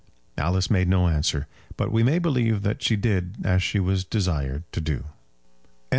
Alice made no answer, but we may believe that she did as she was desired to do.